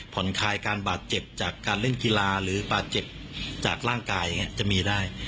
ผ่อนคลายการบาดเจ็บจากการเล่นกีฬาหรือบาดเจ็บจากร่างกายอย่างนี้จะมีได้